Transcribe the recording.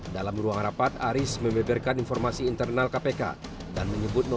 dalam ruang rapat aris membeberkan informasi internal kpk dan menyebut novel